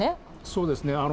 そうですね。